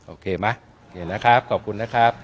โอเคมั้ยโอเคนะครับขอบคุณนะครับ